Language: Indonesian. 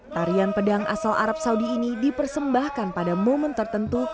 tarian pedang asal arab saudi ini dipersembahkan pada momen tertentu